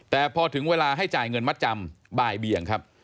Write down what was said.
แต่พอถึงเวลาให้จ่ายเงินมัดจำบ่ายเบี่ยงครับ